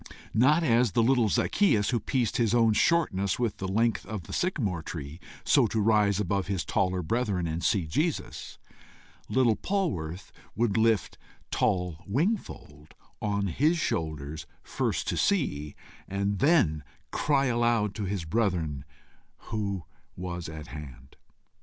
Not as the little Zacchæus who pieced his own shortness with the length of the sycamore tree, so to rise above his taller brethren and see Jesus, little Polwarth would lift tall Wingfold on his shoulders, first to see, and then cry aloud to his brethren who was at hand.